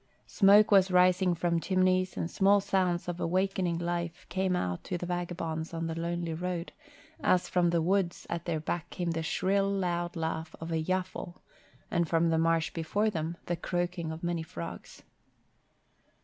Smoke was rising from chimneys and small sounds of awakening life came out to the vagabonds on the lonely road, as from the woods at their back came the shrill, loud laugh of the yaffle, and from the marsh before them, the croaking of many frogs.